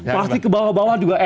pasti kebawah bawah juga enak gitu